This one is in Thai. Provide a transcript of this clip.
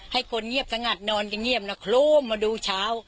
ให้คนเงียบสงัดนอนกันเงียบแล้วโครมมาดูเช้า